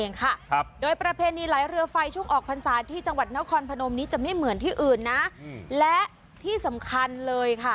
เองค่ะครับโดยประเพณีไหลเรือไฟช่วงออกพรรษาที่จังหวัดนครพนมนี้จะไม่เหมือนที่อื่นนะและที่สำคัญเลยค่ะ